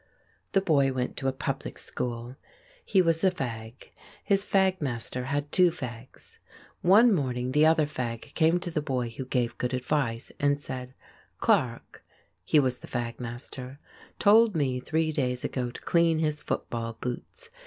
The boy went to a public school. He was a fag. His fag master had two fags. One morning the other fag came to the boy who gave good advice and said: "Clarke (he was the fag master) told me three days ago to clean his football boots.